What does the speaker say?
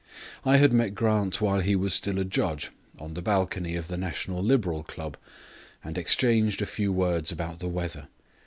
I had met Grant while he was still a judge, on the balcony of the National Liberal Club, and exchanged a few words about the weather.